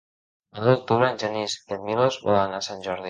El nou d'octubre en Genís i en Milos volen anar a Sant Jordi.